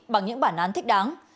bằng những bản án thích đáng